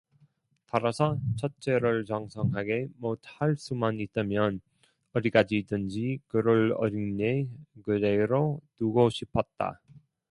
따라서 첫째를 장성하게 못 할 수만 있다면 어디까지든지 그를 어린애 그대로 두고 싶었다.